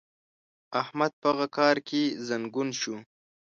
احمد په هغه کار کې زنګون شو.